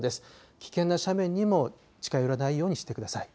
危険な斜面にも近寄らないようにしてください。